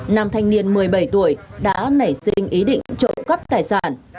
nam thanh niên một mươi bảy tuổi đã nảy sinh ý định trộm cắp tài sản